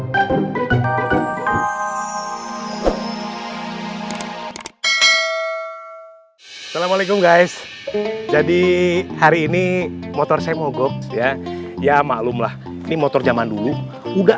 assalamualaikum guys jadi hari ini motor saya mogok ya ya maklumlah ini motor zaman dulu udah